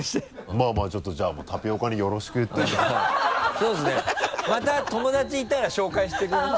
まぁまぁちょっとじゃあタピオカによろしく言っておいてそうですねまた友達いたら紹介してください。